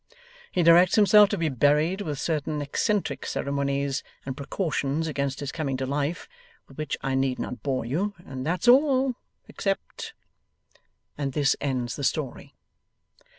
He directs himself to be buried with certain eccentric ceremonies and precautions against his coming to life, with which I need not bore you, and that's all except ' and this ends the story.